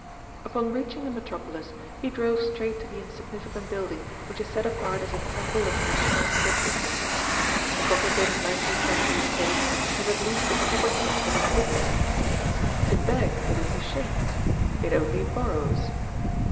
Upon reaching the metropolis, he drove straight to the insignificant building which is set apart as a Temple of National Thrif tlessness. The complicated nineteenth cent ury State has at least a proper sense of its dignity. To beg it is ashamed. It only borrows.